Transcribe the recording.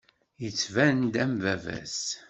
Yettban-d am baba-s.